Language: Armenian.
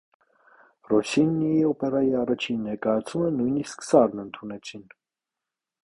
Ռոսսինիի օպերայի առաջին ներկայացումը նույնիսկ սառն ընդունեցին։